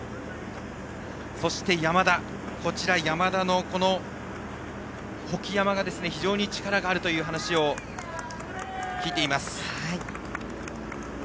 そして、山田の穗岐山非常に力があるという話を聞いています。